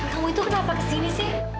kamu itu kenapa kesini sih